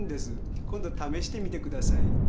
今度試してみてください。